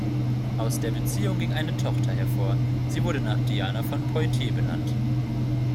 Aus der Beziehung ging eine Tochter hervor, sie wurde nach Diana von Poitiers benannt.